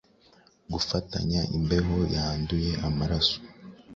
Gufatanya imbeho yanduye amaraso